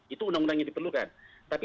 itu undang undang yang diperlukan tapi